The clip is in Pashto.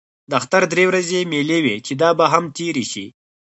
د اختر درې ورځې مېلې وې چې دا به هم تېرې شي.